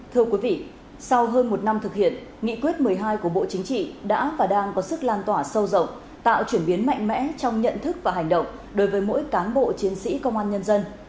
thưa quý vị sau hơn một năm thực hiện nghị quyết một mươi hai của bộ chính trị đã và đang có sức lan tỏa sâu rộng tạo chuyển biến mạnh mẽ trong nhận thức và hành động đối với mỗi cán bộ chiến sĩ công an nhân dân